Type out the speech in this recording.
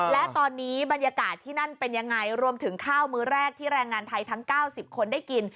และตอนนี้บรรยากาศที่นั่นเป็นยังไงรวมถึงข้าวมื้อแรกที่แรงงานไทยทั้ง๙๐คนได้กิน